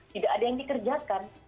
tidak ada yang dikerjakan